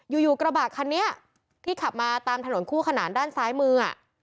อยู่อยู่กระบะคันนี้ที่ขับมาตามถนนคู่ขนานด้านซ้ายมือ